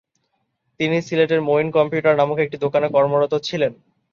তিনি সিলেটের মঈন কম্পিউটার নামক একটি দোকানে কর্মরত ছিলেন।